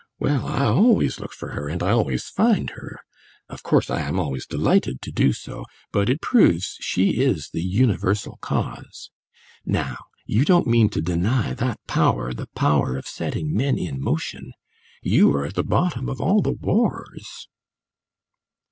Well, I always look for her, and I always find her; of course, I am always delighted to do so; but it proves she is the universal cause. Now, you don't mean to deny that power, the power of setting men in motion. You are at the bottom of all the wars."